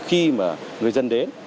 khi mà người dân đến